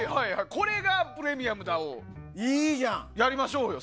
これがプレミアムだ！をやりましょうよ。